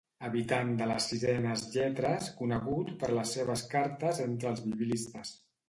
Habitant de les sisenes lletres conegut per les seves cartes entre els biblistes.